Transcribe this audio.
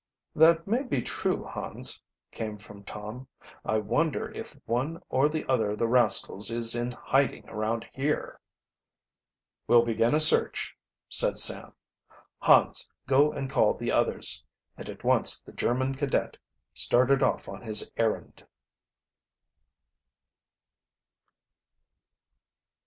"That may be true, Hans," came from Tom. "I wonder if one or the other of the rascals is in hiding around here?" "We'll begin a search," said Sam. "Hans, go and call the others," and at once the German cadet started off on his errand.